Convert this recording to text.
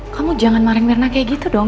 kamu jangan marahin mirna kayak gitu dong